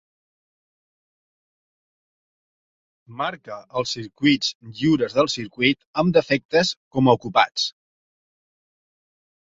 Marca els circuits lliures del circuit amb defectes com a ocupats.